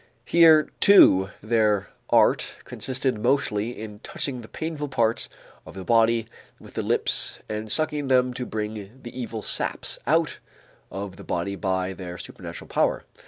Here too their art consisted mostly in touching the painful parts of the body with the lips and sucking them to bring the evil saps out of the body by their supernatural power.